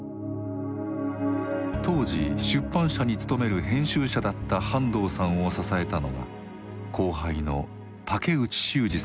当時出版社に勤める編集者だった半藤さんを支えたのが後輩の竹内修司さんです。